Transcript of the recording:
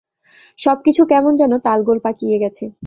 সবকিছু কেমন যেন তালগোল পাকিয়ে গেছে।